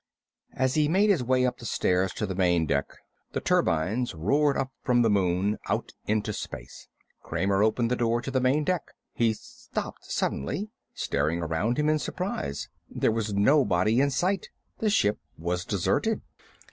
As he made his way up the stairs to the main deck the turbines roared up from the moon, out into space. Kramer opened the door to the main deck. He stopped suddenly, staring around him in surprise. There was nobody in sight. The ship was deserted.